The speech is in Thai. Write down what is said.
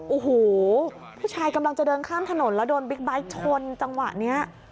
โอ้โหผู้ชายกำลังจะเดินข้ามถนนแล้วโดนบิ๊กไบท์ชนจังหวะนี้